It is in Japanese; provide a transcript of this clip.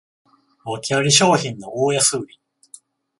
わけあり商品の大安売り